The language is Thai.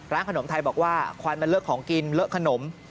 ขนมไทยบอกว่าควันมันเลอะของกินเลอะขนม